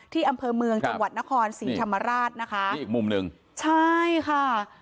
ที่อำเภอเมืองจังหวัดนครศรีธรรมราชนะคะนี่อีกมุมหนึ่งใช่ค่ะ